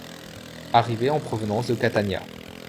Arrivé en provenance de Catania.